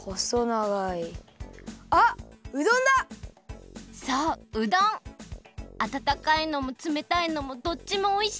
あたたかいのもつめたいのもどっちもおいしいよね。